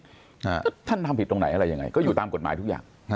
ท่านทำผิดตรงไหนอะไรยังไงก็อยู่ตามกฎหมายทุกอย่างฮะ